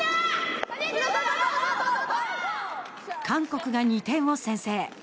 韓国が２点を先制。